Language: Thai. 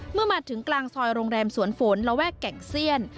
เมื่อมาถึงกลางซอยโรงแรมสวนฝนระแวกแก่งเซียน